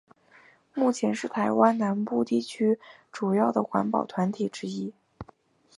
目前是台湾南部地区主要的环保团体之一。